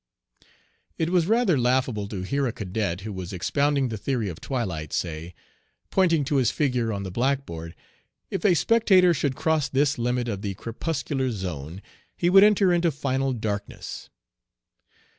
It was rather laughable to hear a cadet, who was expounding the theory of twilight, say, pointing to his figure on the blackboard: "If a spectator should cross this limit of the crepuscular zone he would enter into final darkness."